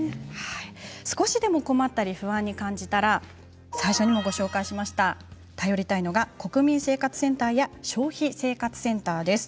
少しでも困ったり不安に感じたら最初にもご紹介しました頼りたいのは国民生活センターや消費生活センターです。